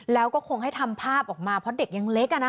แล้วก็คงให้ทำภาพออกมาเพราะเด็กยังเล็ก